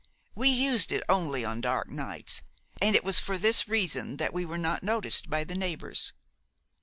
We used it only on dark nights, and it was for this reason that we were not noticed by the neighbours.